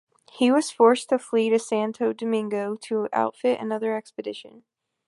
He was forced to flee to Santo Domingo to outfit another expedition.